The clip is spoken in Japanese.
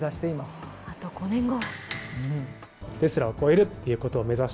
あと５年後。